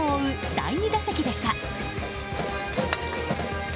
第２打席でした。